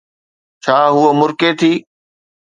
ڇا ھوءَ مُرڪي ٿي؟